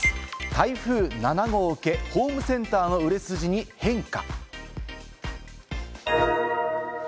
台風７号を受け、ホームセンターの売れ筋に変化。